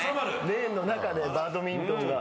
レーンの中でバドミントンが。